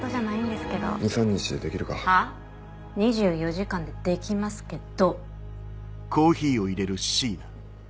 ２４時間でできますけど！